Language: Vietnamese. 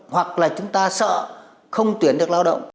hoặc là chúng ta sợ không tuyển được lao động